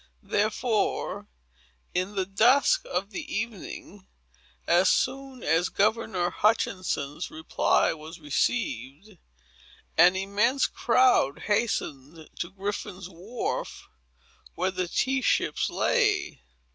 Therefore, in the dusk of the evening, as soon as Governor Hutchinson's reply was received, an immense crowd hastened to Griffin's Wharf, where the tea ships lay.